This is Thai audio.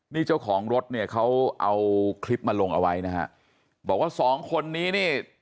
นี่เจ้าของรถเนี่ยเขาเอาคลิปมาลงเอาไว้นะฮะบอกว่าสองคนนี้นี่